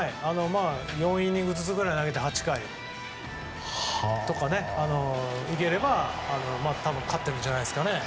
４イニングずつくらい投げて、８回とか入れれば多分勝てるんじゃないですかね。